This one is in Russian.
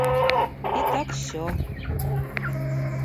И так всё.